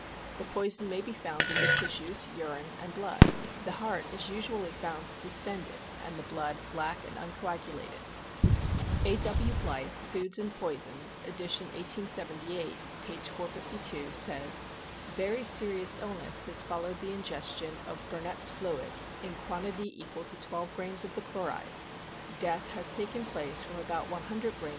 The poison may be found in the tissues, urine and blood." " The heart is usually found distended, and the blood black and uncoagulated." A. W. Blyth, Foods and Poisons, ed. 1878, p. 452, says :" Yery serious illness has followed the ingestion of Bur nett's fluid, in quantity equal to 12 grains of the chloride^ Death has taken place from about 100 grs.